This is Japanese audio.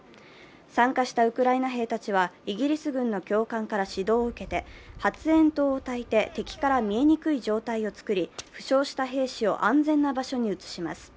参加したウクライナ兵たちはイギリス軍の教官から指導を受けて発煙筒をたいて、敵から見えにくい状態を作り、負傷した兵士を安全な場所に移します。